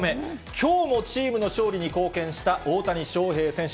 きょうもチームの勝利に貢献した大谷翔平選手。